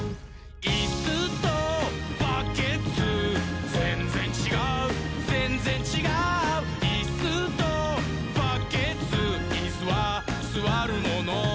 「いっすーとバッケツーぜんぜんちがうぜんぜんちがう」「いっすーとバッケツーイスはすわるもの」